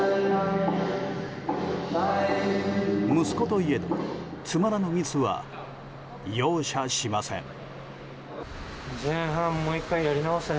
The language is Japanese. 息子といえどつまらぬミスは容赦しません。